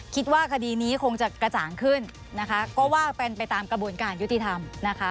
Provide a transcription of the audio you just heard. คิดว่าคดีนี้คงจะกระจ่างขึ้นนะคะก็ว่ากันไปตามกระบวนการยุติธรรมนะคะ